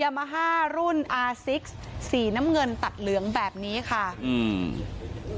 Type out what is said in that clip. มาฮ่ารุ่นอาซิกสีน้ำเงินตัดเหลืองแบบนี้ค่ะอืม